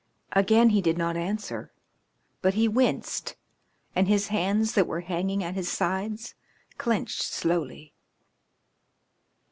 Again he did not answer, but he winced, and his hands that were hanging at his sides clenched slowly.